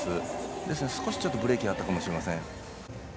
ですので、少しブレーキがあったかもしれません。